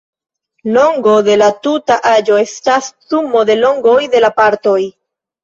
Longo de la tuta aĵo estas sumo de longoj de la partoj.